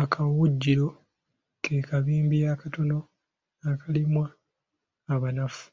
Akawugiro ke kabimbi akatono akalimwa abanafu.